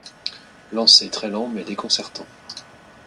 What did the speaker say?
Lancer très lent mais déconcertant.